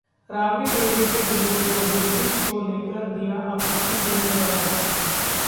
राबड़ी देवी के बिगड़े बोल, नीतीश को लेकर दिया आपत्तिजनक बयान